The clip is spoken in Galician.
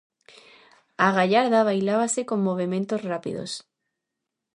A gallarda bailábase con movementos rápidos.